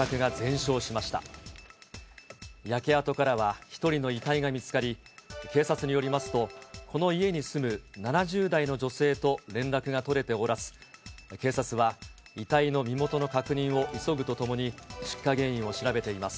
焼け跡からは１人の遺体が見つかり、警察によりますと、この家に住む７０代の女性と連絡が取れておらず、警察は遺体の身元の確認を急ぐとともに、出火原因を調べています。